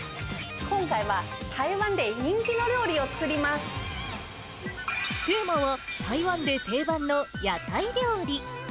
今回は台湾で人気の料理を作テーマは、台湾で定番の屋台料理。